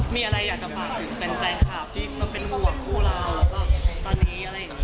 มีอะไรอยากจะฝากถึงแฟนคลับที่ก็เป็นห่วงคู่เราแล้วก็ตอนนี้อะไรอย่างนี้